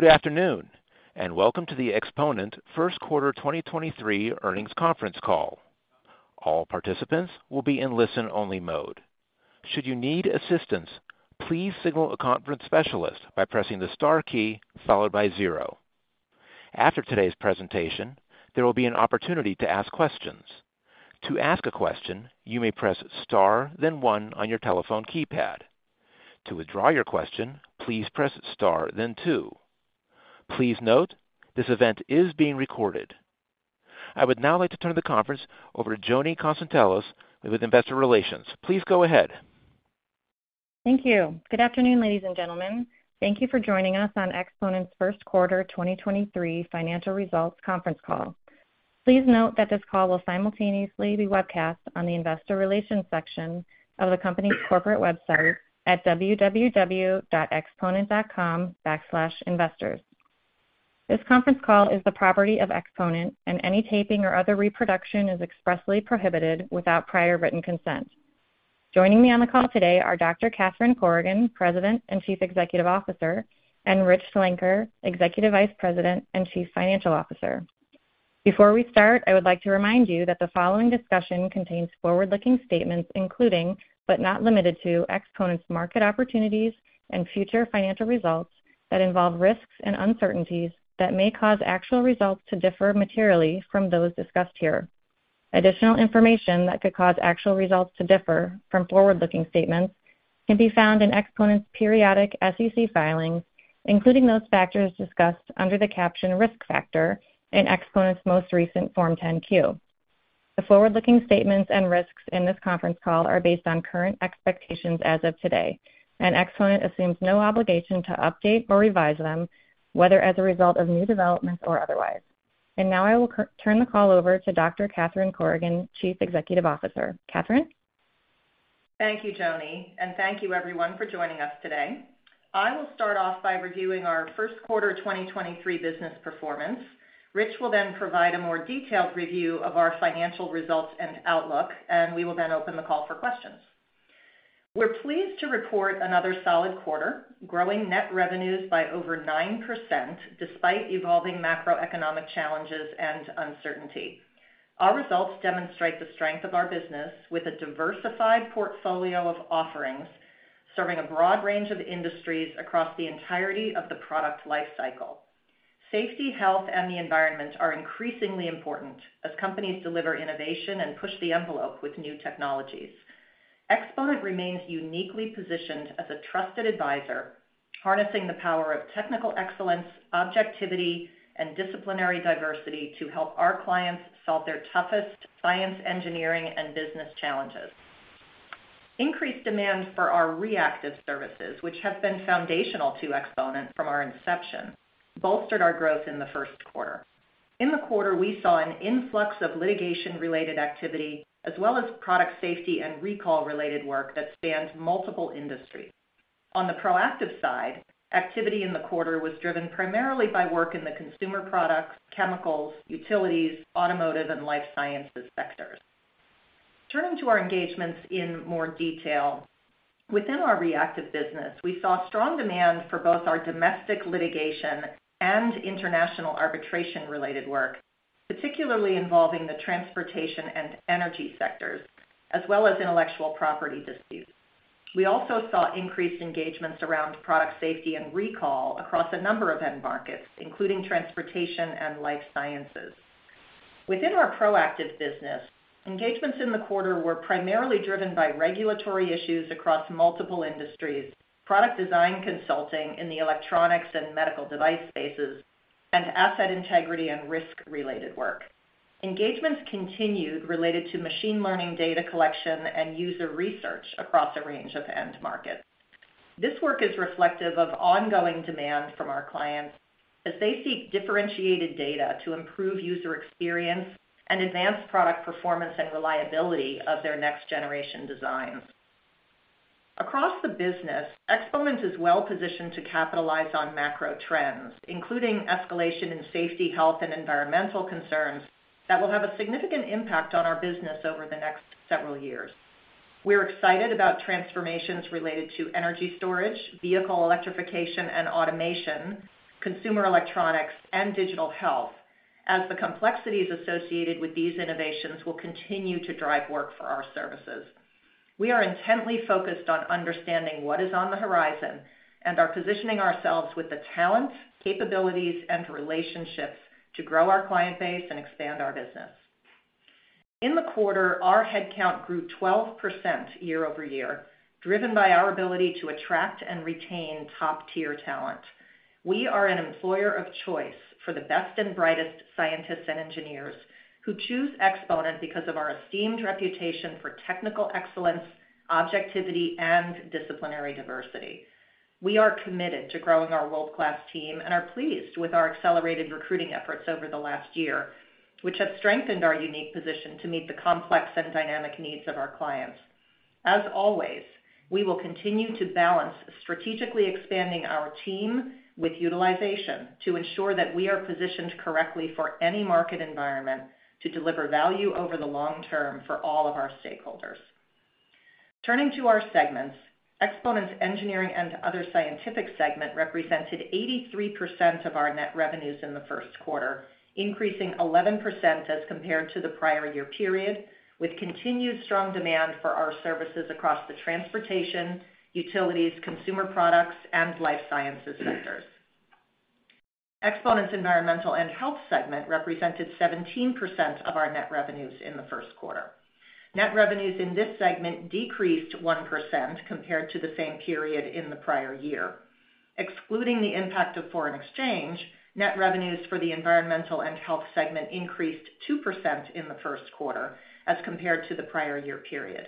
Good afternoon, welcome to the Exponent first quarter 2023 earnings conference call. All participants will be in listen-only mode. Should you need assistance, please signal a conference specialist by pressing the star key followed by zero. After today's presentation, there will be an opportunity to ask questions. To ask a question, you may press star then one on your telephone keypad. To withdraw your question, please press star then two. Please note, this event is being recorded. I would now like to turn the conference over to Joni Konstantelos with Investor Relations. Please go ahead. Thank you. Good afternoon, ladies and gentlemen. Thank you for joining us on Exponent's first quarter 2023 financial results conference call. Please note that this call will simultaneously be webcast on the investor relations section of the company's corporate website at www.exponent.com/investors. This conference call is the property of Exponent, and any taping or other reproduction is expressly prohibited without prior written consent. Joining me on the call today are Dr. Catherine Corrigan, President and Chief Executive Officer, and Rich Schlenker, Executive Vice President and Chief Financial Officer. Before we start, I would like to remind you that the following discussion contains forward-looking statements, including, but not limited to, Exponent's market opportunities and future financial results that involve risks and uncertainties that may cause actual results to differ materially from those discussed here. Additional information that could cause actual results to differ from forward-looking statements can be found in Exponent's periodic SEC filings, including those factors discussed under the caption Risk Factor in Exponent's most recent Form 10-Q. The forward-looking statements and risks in this conference call are based on current expectations as of today, and Exponent assumes no obligation to update or revise them, whether as a result of new developments or otherwise. Now I will turn the call over to Dr. Catherine Corrigan, Chief Executive Officer. Catherine? Thank you, Joni, and thank you everyone for joining us today. I will start off by reviewing our first quarter 2023 business performance. Rich will then provide a more detailed review of our financial results and outlook. We will then open the call for questions. We're pleased to report another solid quarter, growing net revenues by over 9% despite evolving macroeconomic challenges and uncertainty. Our results demonstrate the strength of our business with a diversified portfolio of offerings, serving a broad range of industries across the entirety of the product life cycle. Safety, health, and the environment are increasingly important as companies deliver innovation and push the envelope with new technologies. Exponent remains uniquely positioned as a trusted advisor, harnessing the power of technical excellence, objectivity, and disciplinary diversity to help our clients solve their toughest science, engineering, and business challenges. Increased demand for our reactive services, which have been foundational to Exponent from our inception, bolstered our growth in the first quarter. In the quarter, we saw an influx of litigation-related activity as well as product safety and recall-related work that spans multiple industries. On the proactive side, activity in the quarter was driven primarily by work in the consumer products, chemicals, utilities, automotive, and life sciences sectors. Turning to our engagements in more detail, within our reactive business, we saw strong demand for both our domestic litigation and international arbitration-related work, particularly involving the transportation and energy sectors, as well as intellectual property disputes. We also saw increased engagements around product safety and recall across a number of end markets, including transportation and life sciences. Within our proactive business, engagements in the quarter were primarily driven by regulatory issues across multiple industries, product design consulting in the electronics and medical device spaces, and asset integrity and risk-related work. Engagements continued related to machine learning data collection and user research across a range of end markets. This work is reflective of ongoing demand from our clients as they seek differentiated data to improve user experience and advance product performance and reliability of their next generation designs. Across the business, Exponent is well positioned to capitalize on macro trends, including escalation in safety, health, and environmental concerns that will have a significant impact on our business over the next several years. We're excited about transformations related to energy storage, vehicle electrification and automation, consumer electronics, and digital health, as the complexities associated with these innovations will continue to drive work for our services. We are intently focused on understanding what is on the horizon and are positioning ourselves with the talent, capabilities, and relationships to grow our client base and expand our business. In the quarter, our headcount grew 12% year-over-year, driven by our ability to attract and retain top-tier talent. We are an employer of choice for the best and brightest scientists and engineers who choose Exponent because of our esteemed reputation for technical excellence, objectivity, and disciplinary diversity. We are committed to growing our world-class team and are pleased with our accelerated recruiting efforts over the last year, which have strengthened our unique position to meet the complex and dynamic needs of our clients. As always, we will continue to balance strategically expanding our team with utilization to ensure that we are positioned correctly for any market environment to deliver value over the long term for all of our stakeholders. Turning to our segments, Exponent's engineering and other scientific segment represented 83% of our net revenues in the first quarter, increasing 11% as compared to the prior year period, with continued strong demand for our services across the transportation, utilities, consumer products and life sciences sectors. Exponent's environmental and health segment represented 17% of our net revenues in the first quarter. Net revenues in this segment decreased 1% compared to the same period in the prior year. Excluding the impact of foreign exchange, net revenues for the environmental and health segment increased 2% in the first quarter as compared to the prior year period.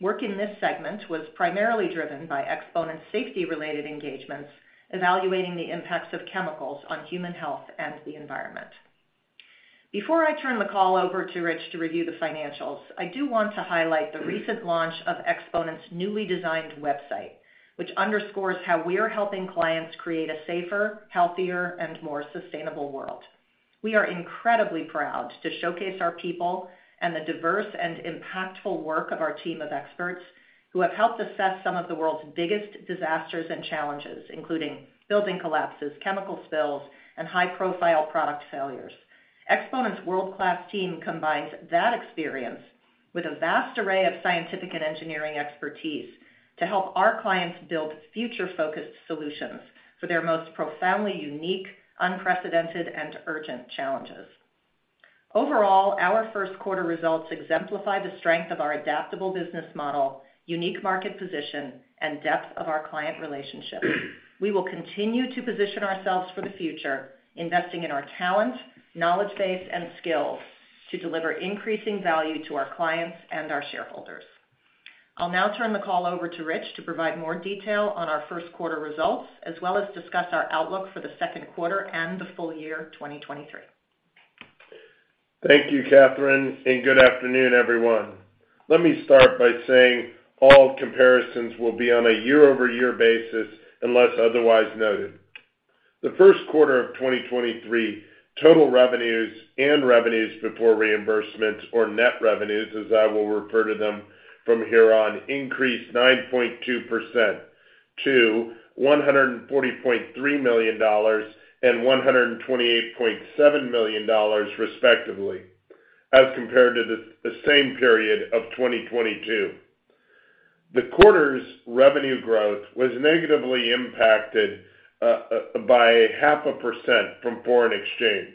Work in this segment was primarily driven by Exponent's safety-related engagements, evaluating the impacts of chemicals on human health and the environment. Before I turn the call over to Rich to review the financials, I do want to highlight the recent launch of Exponent's newly designed website, which underscores how we are helping clients create a safer, healthier and more sustainable world. We are incredibly proud to showcase our people and the diverse and impactful work of our team of experts who have helped assess some of the world's biggest disasters and challenges, including building collapses, chemical spills and high-profile product failures. Exponent's world-class team combines that experience with a vast array of scientific and engineering expertise to help our clients build future-focused solutions for their most profoundly unique, unprecedented, and urgent challenges. Overall, our first quarter results exemplify the strength of our adaptable business model, unique market position, and depth of our client relationships. We will continue to position ourselves for the future, investing in our talent, knowledge base and skills to deliver increasing value to our clients and our shareholders. I'll now turn the call over to Rich to provide more detail on our first quarter results, as well as discuss our outlook for the second quarter and the full year 2023. Thank you, Catherine, and good afternoon, everyone. Let me start by saying all comparisons will be on a year-over-year basis unless otherwise noted. The first quarter of 2023 total revenues and revenues before reimbursements or net revenues, as I will refer to them from here on, increased 9.2% to $140.3 million and $128.7 million, respectively, as compared to the same period of 2022. The quarter's revenue growth was negatively impacted by 0.5% from foreign exchange.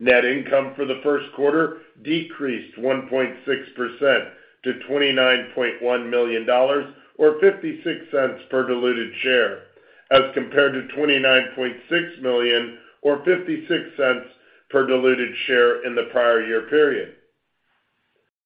Net income for the first quarter decreased 1.6% to $29.1 million or $0.56 per diluted share as compared to $29.6 million or $0.56 per diluted share in the prior year period.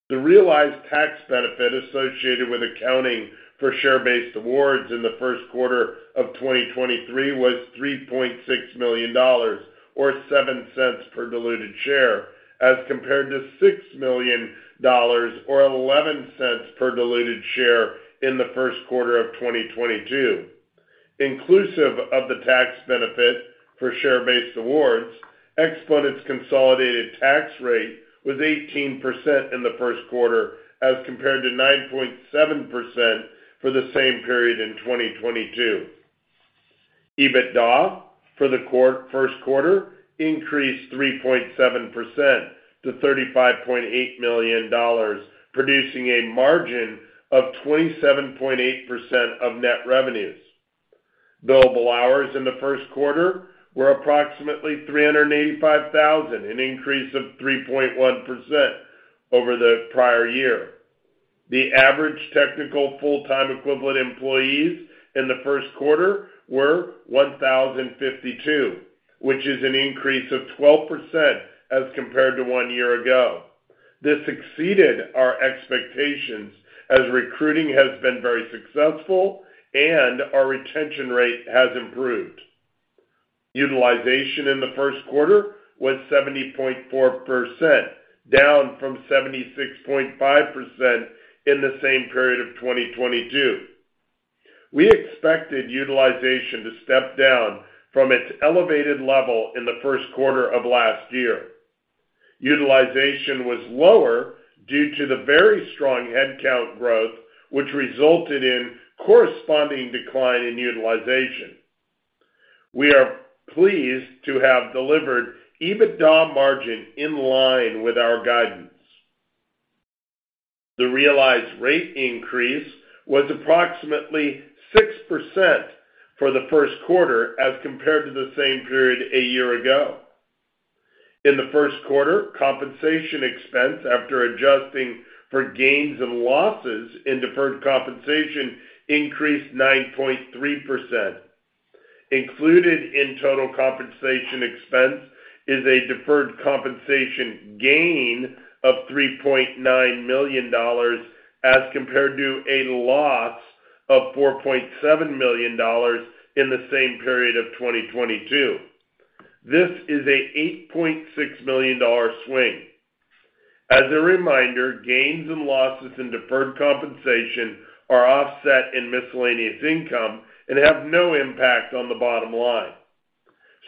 The realized tax benefit associated with accounting for share-based awards in the first quarter of 2023 was $3.6 million or $0.07 per diluted share as compared to $6 million or $0.11 per diluted share in the first quarter of 2022. Inclusive of the tax benefit for share-based awards, Exponent's consolidated tax rate was 18% in the first quarter as compared to 9.7% for the same period in 2022. EBITDA for the first quarter increased 3.7% to $35.8 million, producing a margin of 27.8% of net revenues. Billable hours in the first quarter were approximately 385,000, an increase of 3.1% over the prior year. The average technical full-time equivalent employees in the first quarter were 1,052, which is an increase of 12% as compared to one year ago. This exceeded our expectations as recruiting has been very successful and our retention rate has improved. Utilization in the first quarter was 70.4%, down from 76.5% in the same period of 2022. We expected utilization to step down from its elevated level in the first quarter of last year. Utilization was lower due to the very strong headcount growth, which resulted in corresponding decline in utilization. We are pleased to have delivered EBITDA margin in line with our guidance. The realized rate increase was approximately 6% for the first quarter as compared to the same period a year ago. In the first quarter, compensation expense after adjusting for gains and losses in deferred compensation increased 9.3%. Included in total compensation expense is a deferred compensation gain of $3.9 million as compared to a loss of $4.7 million in the same period of 2022. This is a $8.6 million swing. As a reminder, gains and losses in deferred compensation are offset in miscellaneous income and have no impact on the bottom line.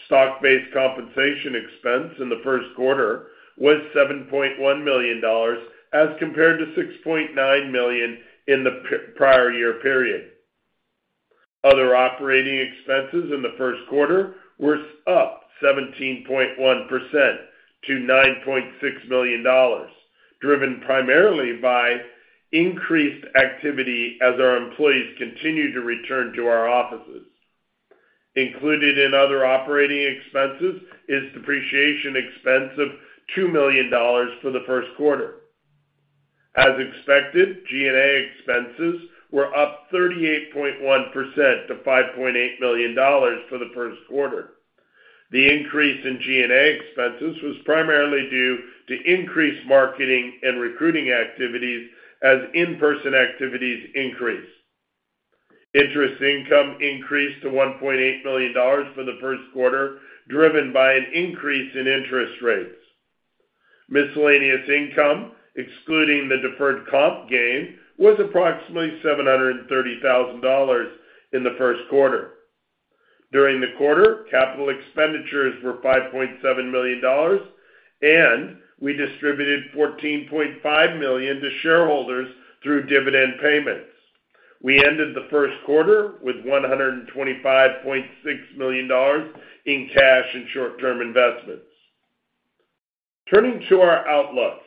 Stock-based compensation expense in the first quarter was $7.1 million as compared to $6.9 million in the prior year period. Other operating expenses in the first quarter were up 17.1% to $9.6 million, driven primarily by increased activity as our employees continue to return to our offices. Included in other operating expenses is depreciation expense of $2 million for the first quarter. As expected, G&A expenses were up 38.1% to $5.8 million for the first quarter. The increase in G&A expenses was primarily due to increased marketing and recruiting activities as in-person activities increased. Interest income increased to $1.8 million for the first quarter, driven by an increase in interest rates. Miscellaneous income, excluding the deferred comp gain, was approximately $730,000 in the first quarter. During the quarter, capital expenditures were $5.7 million, and we distributed $14.5 million to shareholders through dividend payments. We ended the first quarter with $125.6 million in cash and short-term investments. Turning to our outlook.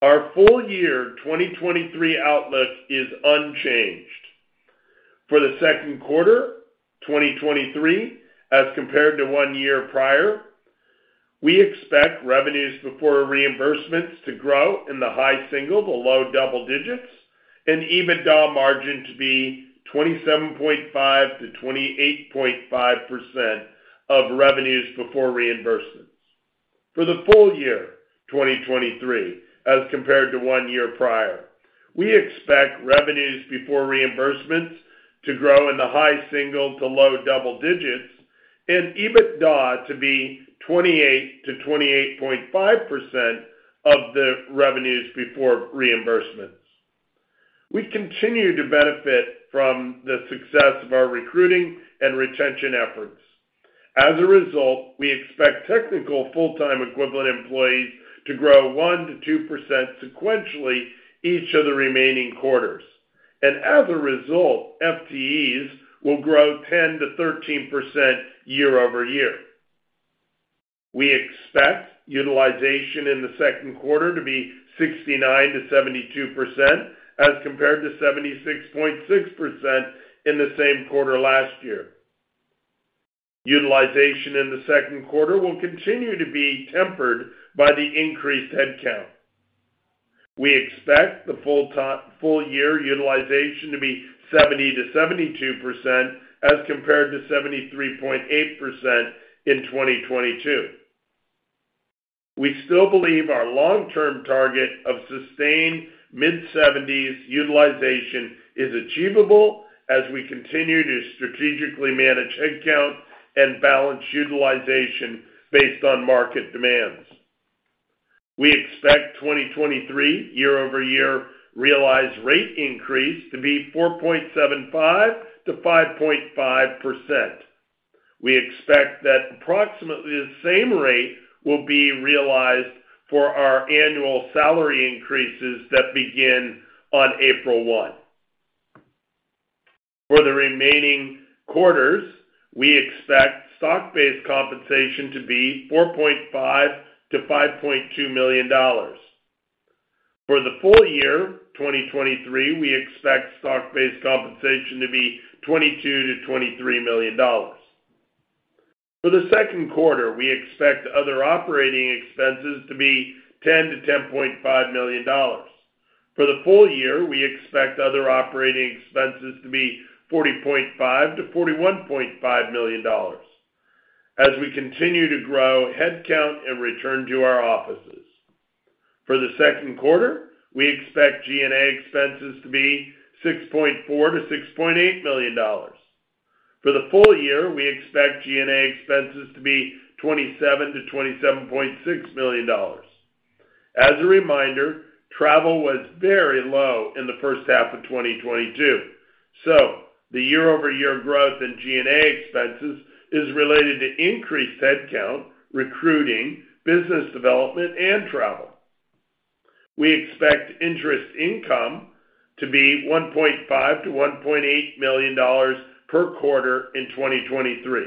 Our full year 2023 outlook is unchanged. For the second quarter, 2023, as compared to one year prior, we expect revenues before reimbursements to grow in the high single to low double digits and EBITDA margin to be 27.5%-28.5% of revenues before reimbursements. For the full year 2023, as compared to one year prior, we expect revenues before reimbursements to grow in the high single to low double digits and EBITDA to be 28%-28.5% of the revenues before reimbursements. We continue to benefit from the success of our recruiting and retention efforts. As a result, we expect technical full-time equivalent employees to grow 1%-2% sequentially each of the remaining quarters. As a result, FTEs will grow 10%-13% year-over-year. We expect utilization in the second quarter to be 69%-72% as compared to 76.6% in the same quarter last year. Utilization in the second quarter will continue to be tempered by the increased headcount. We expect the full year utilization to be 70%-72% as compared to 73.8% in 2022. We still believe our long-term target of sustained mid-70s utilization is achievable as we continue to strategically manage headcount and balance utilization based on market demands. We expect 2023 year-over-year realized rate increase to be 4.75%-5.5%. We expect that approximately the same rate will be realized for our annual salary increases that begin on April 1. For the remaining quarters, we expect stock-based compensation to be $4.5 million-$5.2 million. For the full year 2023, we expect stock-based compensation to be $22 million-$23 million. For the second quarter, we expect other operating expenses to be $10 million-$10.5 million. For the full year, we expect other operating expenses to be $40.5 million-$41.5 million as we continue to grow headcount and return to our offices. For the second quarter, we expect G&A expenses to be $6.4 million-$6.8 million. For the full year, we expect G&A expenses to be $27 million-$27.6 million. As a reminder, travel was very low in the first half of 2022, so the year-over-year growth in G&A expenses is related to increased headcount, recruiting, business development, and travel. We expect interest income to be $1.5 million-$1.8 million per quarter in 2023.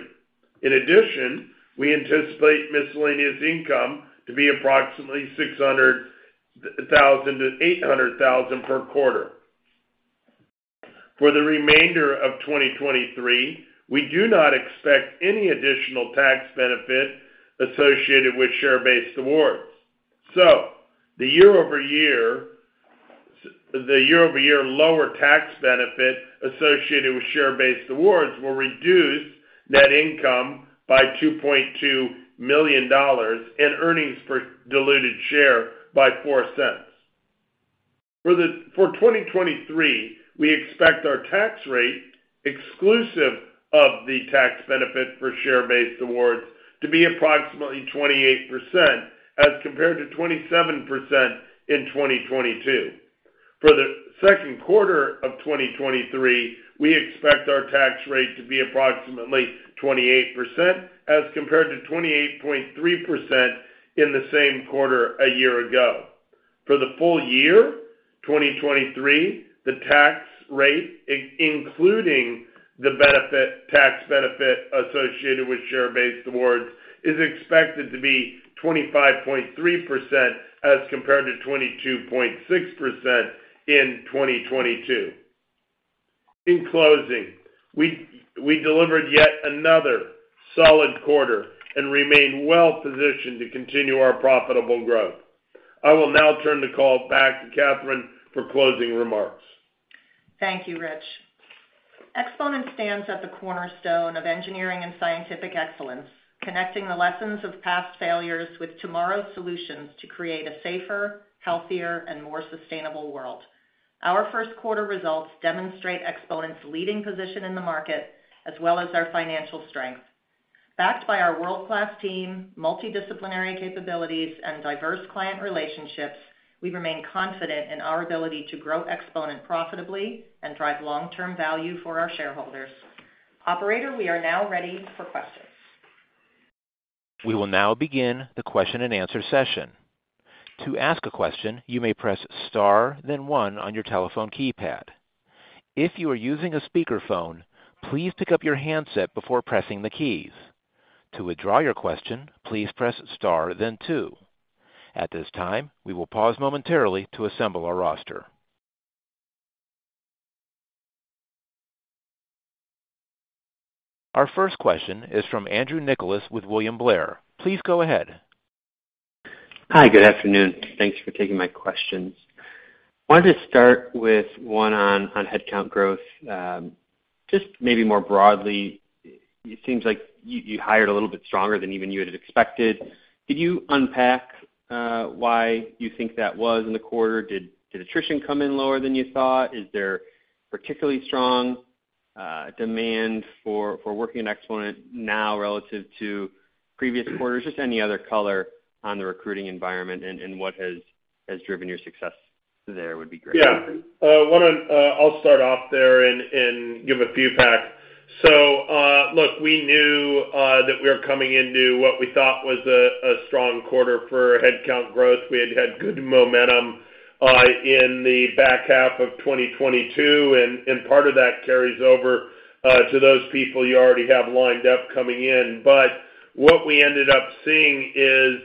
In addition, we anticipate miscellaneous income to be approximately $600,000-$800,000 per quarter. For the remainder of 2023, we do not expect any additional tax benefit associated with share-based awards. The year-over-year lower tax benefit associated with share-based awards will reduce net income by $2.2 million and earnings per diluted share by $0.04. For 2023, we expect our tax rate, exclusive of the tax benefit for share-based awards, to be approximately 28% as compared to 27% in 2022. For the second quarter of 2023, we expect our tax rate to be approximately 28% as compared to 28.3% in the same quarter a year ago. For the full year 2023, the tax rate, including the benefit, tax benefit associated with share-based awards, is expected to be 25.3% as compared to 22.6% in 2022. In closing, we delivered yet another solid quarter and remain well positioned to continue our profitable growth. I will now turn the call back to Catherine for closing remarks. Thank you, Rich. Exponent stands at the cornerstone of engineering and scientific excellence, connecting the lessons of past failures with tomorrow's solutions to create a safer, healthier, and more sustainable world. Our first quarter results demonstrate Exponent's leading position in the market as well as our financial strength. Backed by our world-class team, multidisciplinary capabilities, and diverse client relationships, we remain confident in our ability to grow Exponent profitably and drive long-term value for our shareholders. Operator, we are now ready for questions. We will now begin the question-and-answer session. To ask a question, you may press star then one on your telephone keypad. If you are using a speakerphone, please pick up your handset before pressing the keys. To withdraw your question, please press star then two. At this time, we will pause momentarily to assemble our roster. Our first question is from Andrew Nicholas with William Blair. Please go ahead. Hi. Good afternoon. Thanks for taking my questions. Wanted to start with one on headcount growth. Just maybe more broadly, it seems like you hired a little bit stronger than even you had expected. Could you unpack why you think that was in the quarter? Did attrition come in lower than you thought? Is there particularly strong demand for working at Exponent now relative to previous quarters? Just any other color on the recruiting environment and what has driven your success there would be great. Yeah. why don't, I'll start off there and give a few facts. Look, we knew that we were coming into what we thought was a strong quarter for headcount growth. We had had good momentum in the back half of 2022, and part of that carries over to those people you already have lined up coming in. What we ended up seeing is,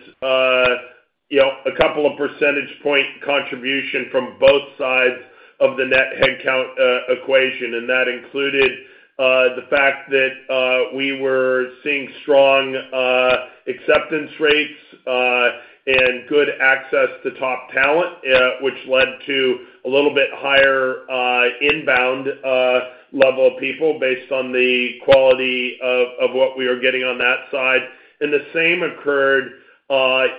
you know, a couple of percentage point contribution from both sides of the net headcount equation. That included the fact that we were seeing strong acceptance rates and good access to top talent, which led to a little bit higher inbound level of people based on the quality of what we were getting on that side. The same occurred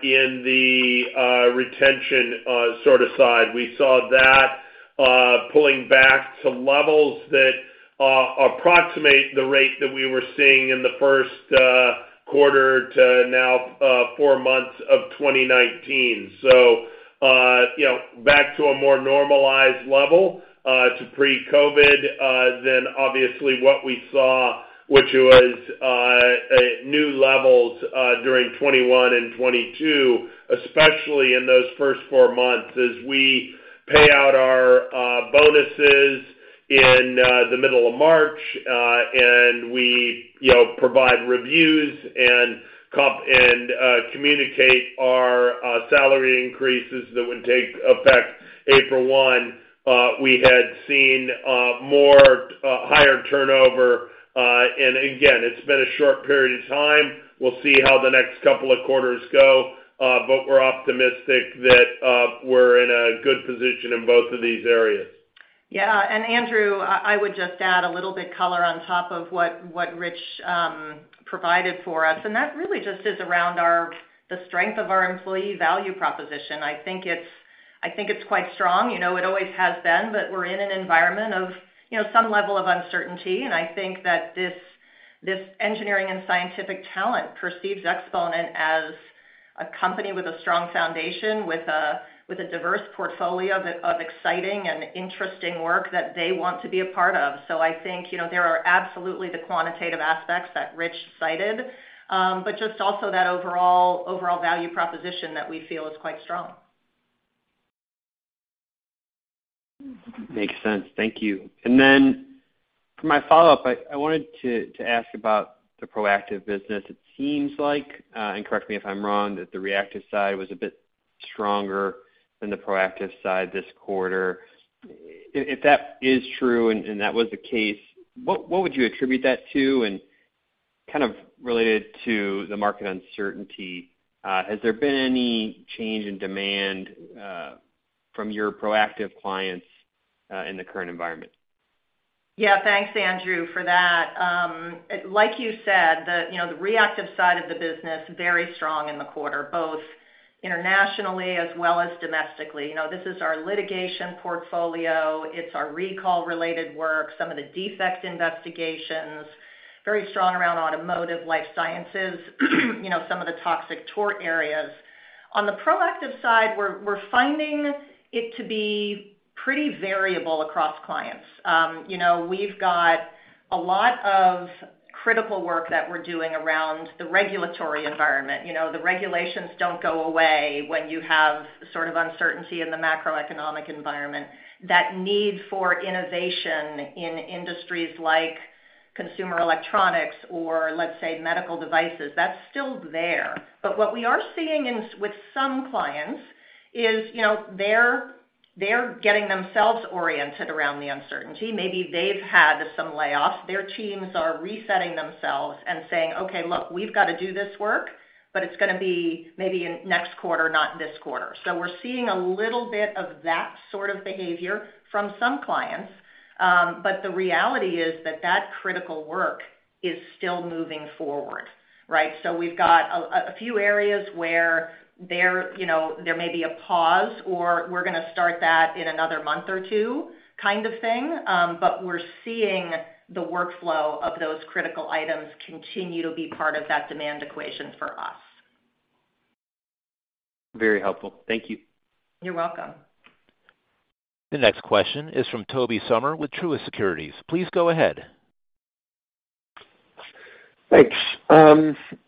in the retention, sort of side. We saw that pulling back to levels that approximate the rate that we were seeing in the first quarter to now, four months of 2019. You know, back to a more normalized level to pre-COVID than obviously what we saw, which was new levels during 2021 and 2022, especially in those first four months as we pay out our bonuses in the middle of March, and we, you know, provide reviews and communicate our salary increases that would take effect April 1. We had seen more higher turnover. Again, it's been a short period of time. We'll see how the next couple of quarters go, but we're optimistic that, we're in a good position in both of these areas. Yeah. Andrew, I would just add a little bit color on top of what Rich provided for us, and that really just is around the strength of our employee value proposition. I think it's quite strong. You know, it always has been, but we're in an environment of, you know, some level of uncertainty, and I think that this engineering and scientific talent perceives Exponent as a company with a strong foundation, with a diverse portfolio of exciting and interesting work that they want to be a part of. I think, you know, there are absolutely the quantitative aspects that Rich cited, but just also that overall value proposition that we feel is quite strong. Makes sense. Thank you. Then for my follow-up, I wanted to ask about the proactive business. It seems like, and correct me if I'm wrong, that the reactive side was a bit stronger than the proactive side this quarter. If that is true and that was the case, what would you attribute that to? Kind of related to the market uncertainty, has there been any change in demand from your proactive clients in the current environment? Yeah. Thanks, Andrew, for that. Like you said, you know, the reactive side of the business, very strong in the quarter, both internationally as well as domestically. You know, this is our litigation portfolio, it's our recall-related work, some of the defect investigations. Very strong around automotive life sciences, you know, some of the toxic tort areas. On the proactive side, we're finding it to be pretty variable across clients. You know, we've got a lot of critical work that we're doing around the regulatory environment. You know, the regulations don't go away when you have sort of uncertainty in the macroeconomic environment. That need for innovation in industries like consumer electronics or let's say medical devices, that's still there. What we are seeing with some clients is, you know, they're getting themselves oriented around the uncertainty. Maybe they've had some layoffs. Their teams are resetting themselves and saying, "Okay, look, we've got to do this work, but it's gonna be maybe in next quarter, not this quarter." We're seeing a little bit of that sort of behavior from some clients. The reality is that that critical work is still moving forward, right? We've got a few areas where there, you know, there many be a pause or we're gonna start that in another month or two kind of thing. We're seeing the workflow of those critical items continue to be part of that demand equation for us. Very helpful. Thank you. You're welcome. The next question is from Tobey Sommer with Truist Securities. Please go ahead. Thanks.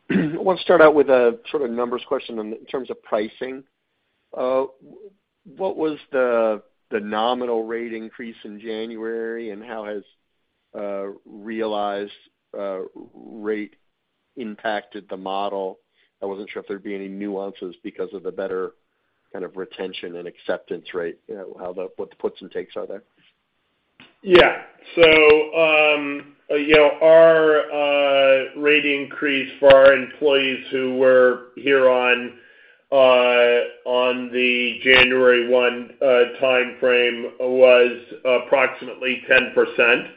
want to start out with a sort of numbers question in terms of pricing. what was the nominal rate increase in January, and how has realized rate impacted the model? I wasn't sure if there'd be any nuances because of the better kind of retention and acceptance rate, you know, what the puts and takes are there. Yeah. Our rate increase for our employees who were here on the January 1 timeframe was approximately 10%.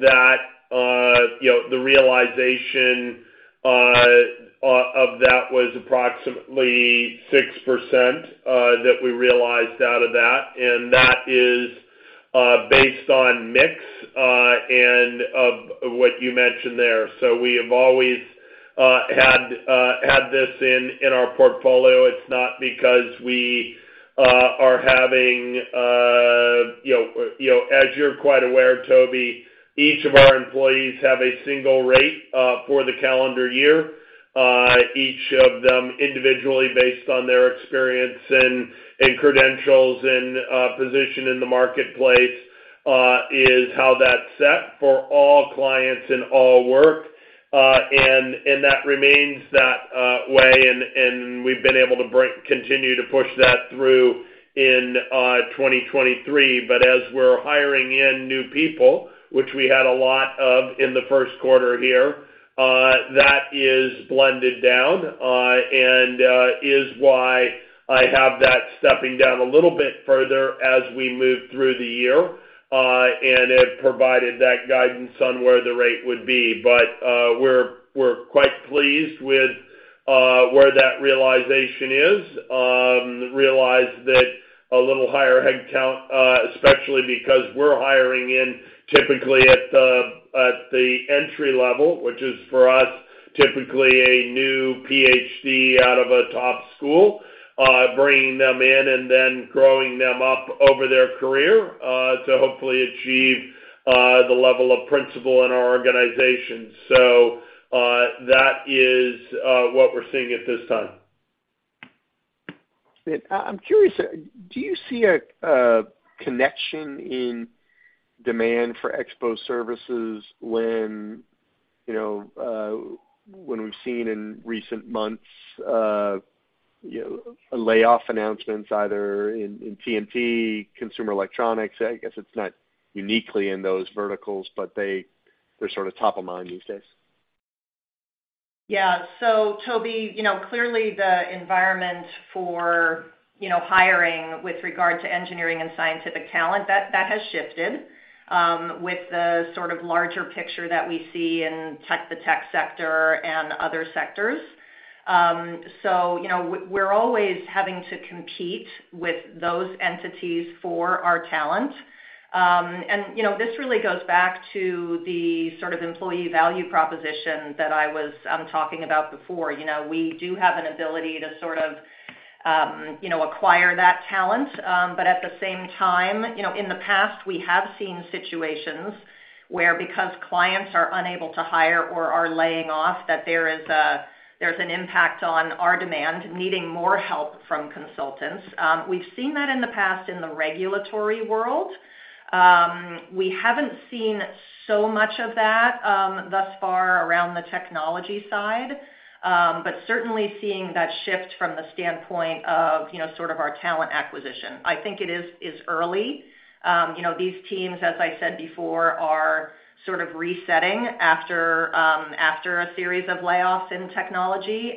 That the realization of that was approximately 6% that we realized out of that, and that is based on mix and of what you mentioned there. We have always had this in our portfolio. It's not because we are having, as you're quite aware, Tobey, each of our employees have a single rate for the calendar year. Each of them individually, based on their experience and credentials and position in the marketplace, is how that's set for all clients in all work. That remains that way and we've been able to continue to push that through in 2023. As we're hiring in new people, which we had a lot of in the first quarter here, that is blended down and is why I have that stepping down a little bit further as we move through the year and have provided that guidance on where the rate would be. We're quite pleased with where that realization is. Realize that a little higher headcount, especially because we're hiring in typically at the entry level, which is for us, typically a new PhD out of a top school, bringing them in and then growing them up over their career to hopefully achieve the level of principal in our organization. That is what we're seeing at this time. I'm curious, do you see a connection in demand for Exponent services when, you know, when we've seen in recent months, you know, layoff announcements either in T&P, consumer electronics, I guess it's not uniquely in those verticals, but they're sort of top of mind these days. Yeah. Tobey, you know, clearly the environment for, you know, hiring with regard to engineering and scientific talent, that has shifted with the sort of larger picture that we see in tech, the tech sector and other sectors. You know, we're always having to compete with those entities for our talent. You know, this really goes back to the sort of employee value proposition that I was talking about before. You know, we do have an ability to sort of, you know, acquire that talent. At the same time, you know, in the past, we have seen situations where because clients are unable to hire or are laying off, that there's an impact on our demand, needing more help from consultants. We've seen that in the past in the regulatory world. We haven't seen so much of that, thus far around the technology side, but certainly seeing that shift from the standpoint of, you know, sort of our talent acquisition. I think it is early. You know, these teams, as I said before, are sort of resetting after a series of layoffs in technology.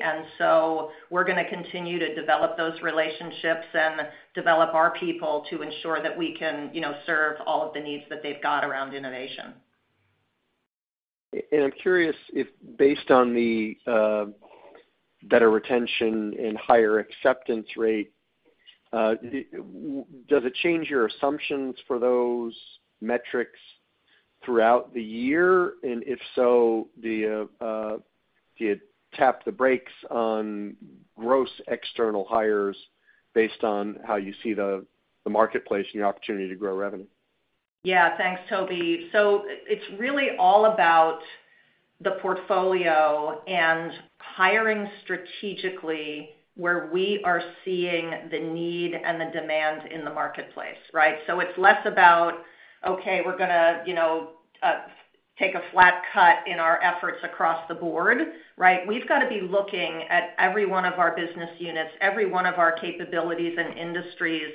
We're gonna continue to develop those relationships and develop our people to ensure that we can, you know, serve all of the needs that they've got around innovation. I'm curious if based on the Better retention and higher acceptance rate, does it change your assumptions for those metrics throughout the year? If so, do you tap the brakes on gross external hires based on how you see the marketplace and the opportunity to grow revenue? Yeah, thanks, Tobey. It's really all about the portfolio and hiring strategically where we are seeing the need and the demand in the marketplace, right? It's less about, okay, we're gonna, you know, take a flat cut in our efforts across the board, right? We've gotta be looking at every one of our business units, every one of our capabilities and industries.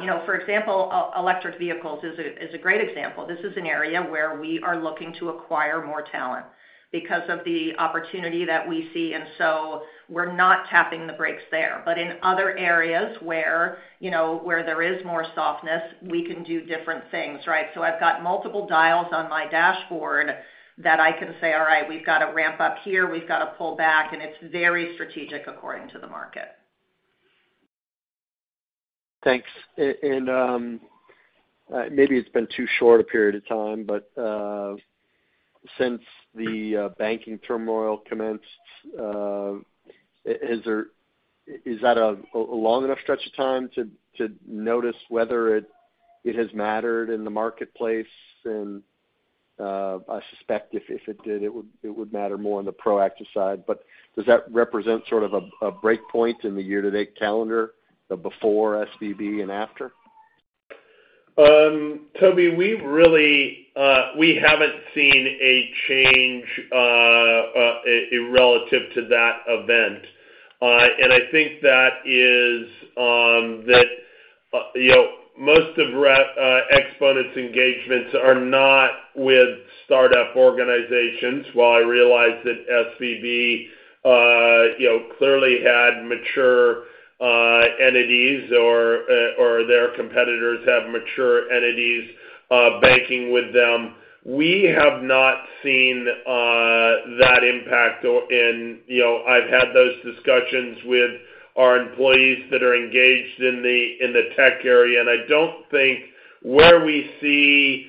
You know, for example, e-electric vehicles is a, is a great example. This is an area where we are looking to acquire more talent because of the opportunity that we see, we're not tapping the brakes there. In other areas where, you know, where there is more softness, we can do different things, right? I've got multiple dials on my dashboard that I can say, "All right, we've gotta ramp up here, we've gotta pull back," and it's very strategic according to the market. Thanks. And maybe it's been too short a period of time, but since the banking turmoil commenced, is that a long enough stretch of time to notice whether it has mattered in the marketplace? I suspect if it did, it would matter more on the proactive side. Does that represent sort of a break point in the year-to-date calendar, the before SVB and after? Tobey, we haven't seen a change relative to that event. I think that is that, you know, most of Exponent's engagements are not with startup organizations. While I realize that SVB, you know, clearly had mature entities or or their competitors have mature entities banking with them, we have not seen that impact in, you know, I've had those discussions with our employees that are engaged in the, in the tech area. I don't think where we see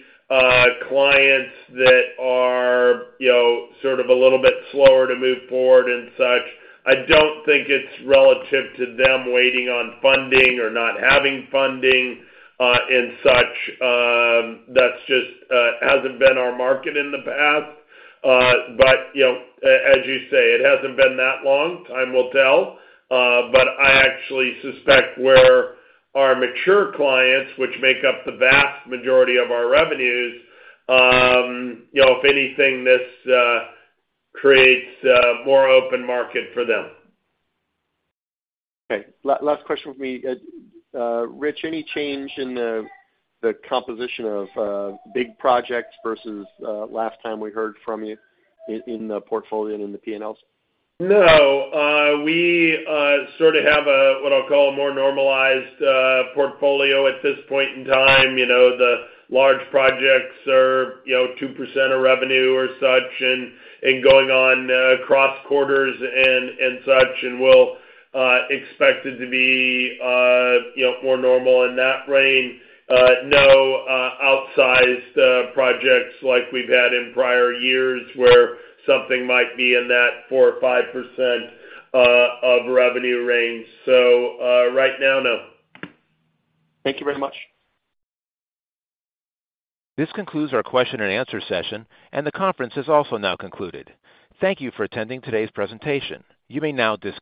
clients that are, you know, sort of a little bit slower to move forward and such, I don't think it's relative to them waiting on funding or not having funding, and such. That's just hasn't been our market in the past. You know, as you say, it hasn't been that long. Time will tell. I actually suspect where our mature clients, which make up the vast majority of our revenues, you know, if anything, this creates more open market for them. Okay. Last question for me. Rich, any change in the composition of big projects versus last time we heard from you in the portfolio and in the P&Ls? No. We sort of have a, what I'll call a more normalized portfolio at this point in time. You know, the large projects are, you know, 2% of revenue or such, and going on across quarters and such. We'll expect it to be, you know, more normal in that range. No, outsized projects like we've had in prior years where something might be in that 4% or 5% of revenue range. Right now, no. Thank you very much. This concludes our question and answer session, and the conference is also now concluded. Thank you for attending today's presentation. You may now disconnect.